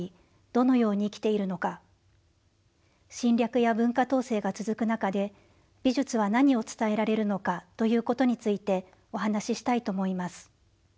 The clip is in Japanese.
どのように生きているのか侵略や文化統制が続く中で美術は何を伝えられるのかということについてお話ししたいと思います。